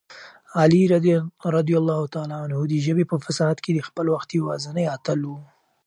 علي رض د ژبې په فصاحت کې د خپل وخت یوازینی اتل و.